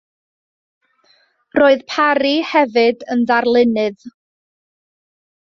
Roedd Parry hefyd yn ddarlunydd.